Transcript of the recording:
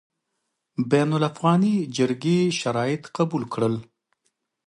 بین الافغاني جرګې شرایط قبول کړل.